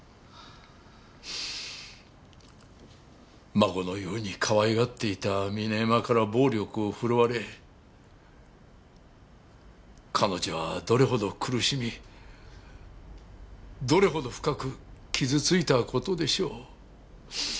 孫のようにかわいがっていた峰山から暴力を振るわれ彼女はどれほど苦しみどれほど深く傷ついた事でしょう。